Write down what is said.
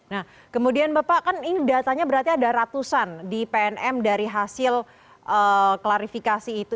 nah kemudian bapak kan ini datanya berarti ada ratusan di pnm dari hasil klarifikasi itu